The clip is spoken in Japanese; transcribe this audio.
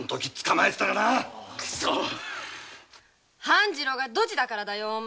半次郎がドジだからだよ！